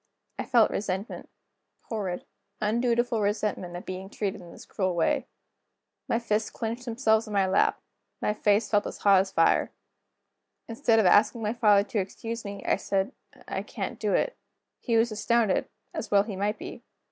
I felt resentment; horrid, undutiful resentment, at being treated in this cruel way. My fists clinched themselves in my lap, my face felt as hot as fire. Instead of asking my father to excuse me, I said: "I can't do it." He was astounded, as well he might be.